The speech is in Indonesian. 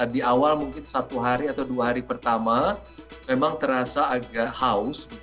di awal mungkin satu hari atau dua hari pertama memang terasa agak haus